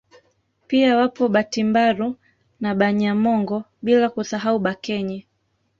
Pia wapo Batimbaru na Banyamongo bila kusahau Bakenye